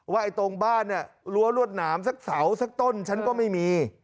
ไอ้ตรงบ้านเนี่ยรั้วรวดหนามสักเสาสักต้นฉันก็ไม่มี